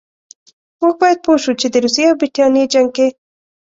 موږ باید پوه شو چې د روسیې او برټانیې جنګ کې.